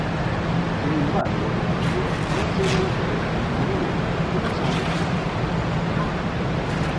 Sin embargo decidió no hacer una carrera como modelo, comenzando a estudiar periodismo.